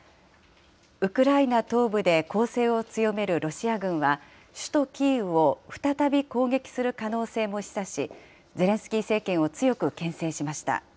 ウクライナ東部で攻勢を強めるロシア軍は、首都キーウを再び攻撃する可能性も示唆し、ゼレンスキー政権を強くけん制しました。